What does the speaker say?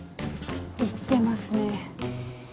いってますね。